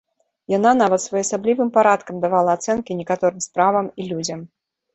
Яна нават своеасаблівым парадкам давала ацэнкі некаторым справам і людзям.